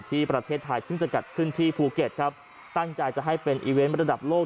ที่ประเทศไทยซึ่งจะจัดขึ้นที่ภูเก็ตครับตั้งใจจะให้เป็นอีเวนต์ระดับโลก